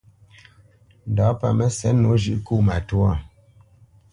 Ndǎ pâ Mə́sɛ̌t nǒ zhʉ̌ʼ kó matwâ.